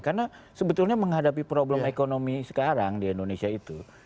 karena sebetulnya menghadapi problem ekonomi sekarang di indonesia itu